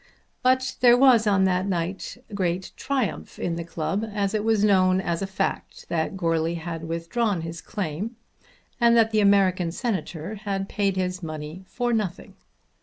But there was on that night great triumph in the club as it was known as a fact that Goarly had withdrawn his claim, and that the American Senator had paid his money for nothing.